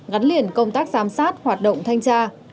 gắn liền công tác giám sát hoạt động thanh tra